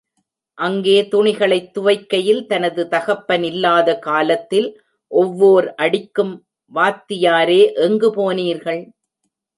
அங்கே துணிகளைத் துவைக்கையில், தனது தகப்பனில்லாத காலத்தில், ஒவ்வோர் அடிக்கும், வாத்தியாரே எங்கு போனீர்கள்?